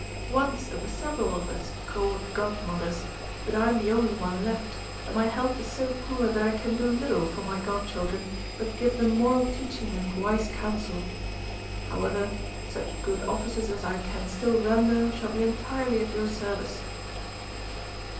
Once there were several of us Court Godmothers, but I am the only one left, and my health is so poor that I can do little for my God children but give them moral teaching and wise counsel. However, such good offices as I can still render shall be entirely at your service."